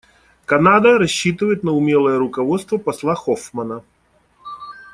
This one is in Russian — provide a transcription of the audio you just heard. Канада рассчитывает на умелое руководство посла Хоффмана.